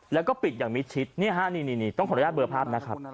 แล้วก็ปิดอย่างมิดชิดนี่ฮะนี่ต้องขออนุญาตเบอร์ภาพนะครับ